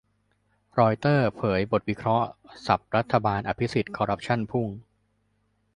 รอยเตอร์เผยบทวิเคราะห์สับรัฐบาลอภิสิทธิ์คอร์รัปชั่นพุ่ง